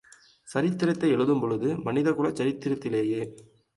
சரித்திரத்தை எழுதும் போது மனித குல சரித்திரத்திலேயே